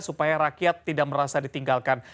supaya rakyat tidak merasa ditinggalkan